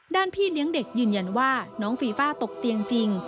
พี่เลี้ยงเด็กยืนยันว่าน้องฟีฟ่าตกเตียงจริง